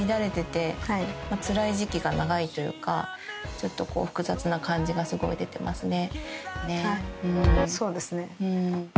ちょっと複雑な感じがすごい出てますね。